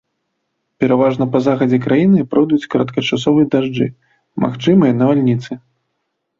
Пераважна па захадзе краіны пройдуць кароткачасовыя дажджы, магчымыя навальніцы.